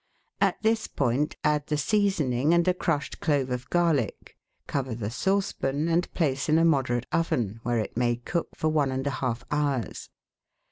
At this point add the seasoning and a crushed clove of garlic, cover the saucepan, and place in a moderate oven, where it may cook for one and one half hours.